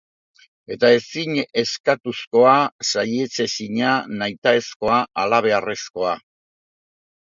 Eta ezin eskastuzkoa, saihetsezina, nahitaezkoa, halabeharrezkoa.